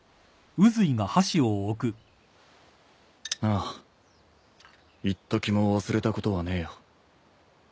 ああいっときも忘れたことはねえよ。